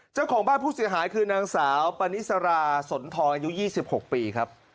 เจ้าของบ้านผู้เสียหายคือนางสาวปานิสราสนทองอายุ๒๖ปีครับ